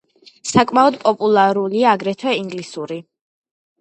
საკმაოდ პოპულარულია, აგრეთვე, ინგლისური.